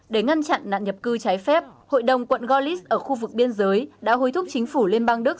để ngăn chặn nạn nhập cư trái phép hội đồng quận gorliz ở khu vực biên giới đã hối thúc chính phủ liên bang đức